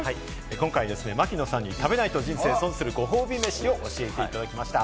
今回、槙野さんに食べないと人生を損する、ご褒美メシを教えていただきました。